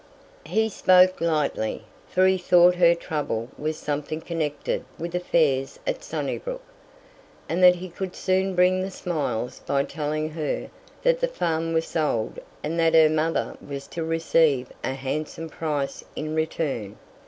He spoke lightly, for he thought her trouble was something connected with affairs at Sunnybrook, and that he could soon bring the smiles by telling her that the farm was sold and that her mother was to receive a handsome price in return.